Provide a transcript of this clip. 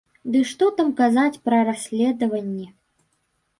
Ды што там казаць пра расследаванні.